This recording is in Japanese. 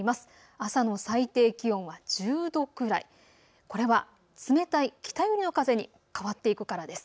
朝の最低気温は１０度くらい、これは冷たい北寄りの風に変わっていくからです。